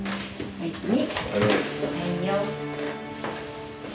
おやすみ。